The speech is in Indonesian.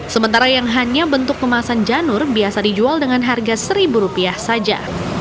sementara yang hanya bentuk kemasan janur biasa dijual dengan harga seribu rupiah saja